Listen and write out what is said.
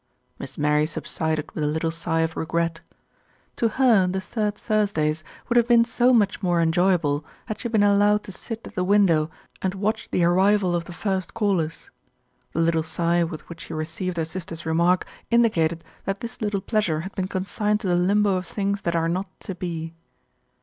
Miss Mary subsided with a little sigh of regret. To her the Third Thursdays would have been so much more enjoyable had she been allowed to sit at the window and watch the arrival of the first callers. The little sigh with which she received her sister's remark indicated that this little pleasure had been consigned to the limbo of things that are not to be.